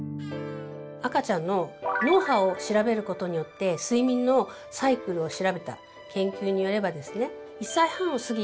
赤ちゃんの脳波を調べることによって睡眠のサイクルを調べた研究によればですね。